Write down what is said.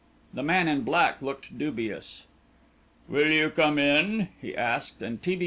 The man in black looked dubious. "Will you come in?" he asked, and T.